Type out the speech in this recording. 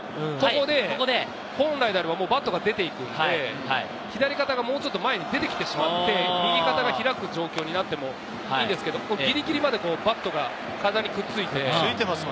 ここで本来であればバットが出ているので、左肩がもうちょっと前に出てきてしまうので、右肩が開く状況なってもいいんですけれど、ぎりぎりまでバットが体にくっついて。